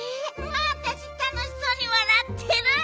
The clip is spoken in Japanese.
わたしたのしそうにわらってる！